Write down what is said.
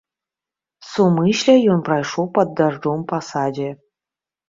Сумысля ён прайшоў пад дажджом па садзе.